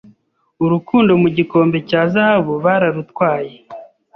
Urukundo mu gikombe cya zahabu bararutwaye